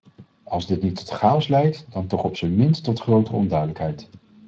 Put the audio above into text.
Als dit niet tot chaos leidt, dan toch op z'n minst tot grotere onduidelijkheid.